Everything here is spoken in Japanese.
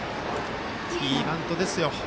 いいバントですよ。